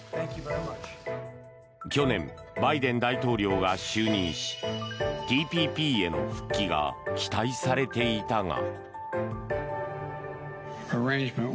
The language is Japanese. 去年、バイデン大統領が就任しＴＰＰへの復帰が期待されていたが。